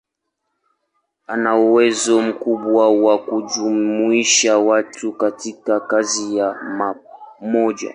Ana uwezo mkubwa wa kujumuisha watu katika kazi ya pamoja.